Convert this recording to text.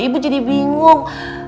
ibu jadi bingung